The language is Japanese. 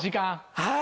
はい。